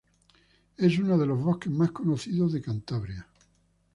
Es uno de los bosques más conocidos de Cantabria.